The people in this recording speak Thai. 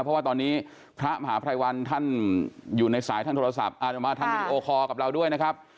เพราะว่าตอนนี้พระมหาภัยวันท่านอยู่ในสายทางโทรศัพท์อาจจะมาทางวีดีโอคอร์กับเราด้วยนะครับ